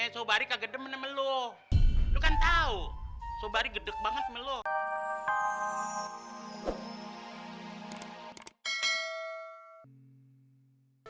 sobat ikat gede menemelo kan tahu sobat gedeg banget melu